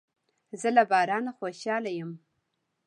زه له بارانه خوشاله یم.